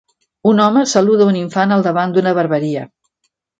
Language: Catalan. Un home saluda un infant al davant d'una barberia.